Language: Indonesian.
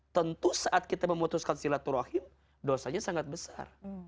tentu saat kita memutuskan silaturahim dosanya sangat besar